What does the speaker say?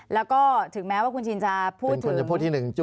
แล้วก็ถึงแม้ว่าคุณชินจะบุเรจถึง